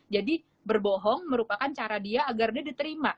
jadi berbohong merupakan cara dia agar dia diterima